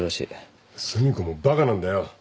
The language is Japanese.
寿美子もバカなんだよ。